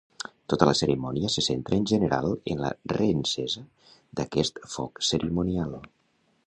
Tota la cerimònia se centra en general en la reencesa d'aquest foc cerimonial.